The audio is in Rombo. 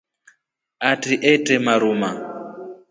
Atri etre maruma.